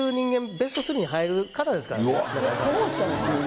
ベスト３に入る方ですからね。